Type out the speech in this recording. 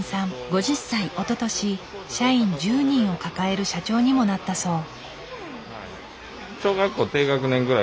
おととし社員１０人を抱える社長にもなったそう。